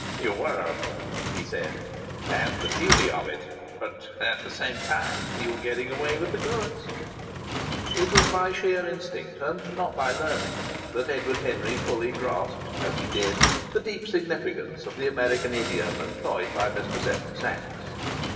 "You were," he said. "That's the beauty of it. But at the same time you were getting away with the goods!" It was by sheer instinct, and not by learning, that Edward Henry fully grasped, as he did, the deep significance of the American idiom employed by Mr. Seven Sachs.